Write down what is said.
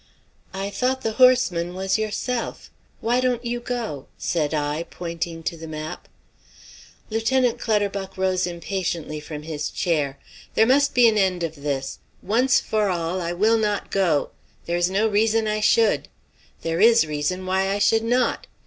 "I thought the horseman was yourself. Why don't you go?" said I, pointing to the map. Lieutenant Clutterbuck rose impatiently from his chair. "There must be an end of this. Once for all I will not go. There is no reason I should. There is reason why I should not.